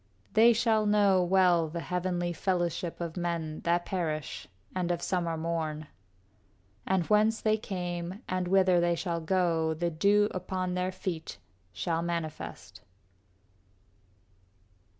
They shall know well the heavenly fellowship Of men that perish and of summer morn. And whence they came and whither they shall go The dew upon their feet shall manifest.